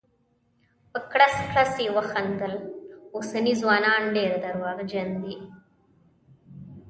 په کړس کړس یې وخندل: اوسني ځوانان ډير درواغجن دي.